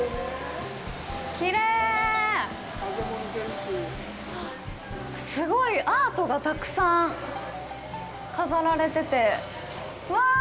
きれいすごいアートがたくさん飾られててうわ